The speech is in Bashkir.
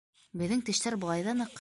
- Беҙҙең тештәр былай ҙа ныҡ.